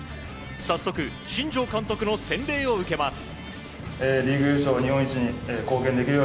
早速、新庄監督の洗礼を受けます。